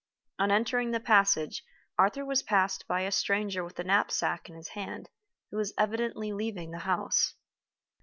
On entering the passage, Arthur was passed by a stranger with a knapsack in his hand, who was evidently leaving the house.